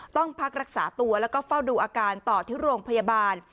ต้องพักรักษาตัวแล้วก็เฝ้าดูอาการต่อที่โรงพยาบาล